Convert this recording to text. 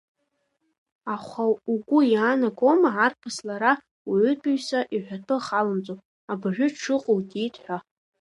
Аха угәы иаанагома арԥыс лара уаҩытәыҩса иҳәатәы халымҵо, абыржәы дшыҟоу диит ҳәа.